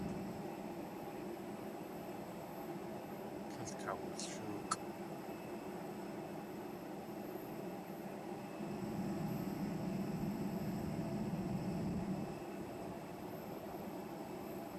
Tlél kawulshóokʼ.